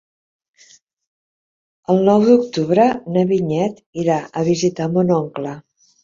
El nou d'octubre na Vinyet irà a visitar mon oncle.